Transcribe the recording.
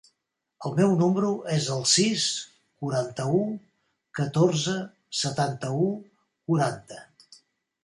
El meu número es el sis, quaranta-u, catorze, setanta-u, quaranta.